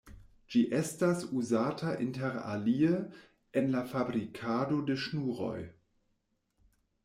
Ĝi estas uzata interalie en la fabrikado de ŝnuroj.